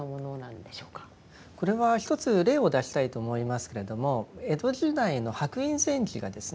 これは一つ例を出したいと思いますけれども江戸時代の白隠禅師がですね